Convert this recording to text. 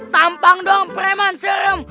tampang dong preman serem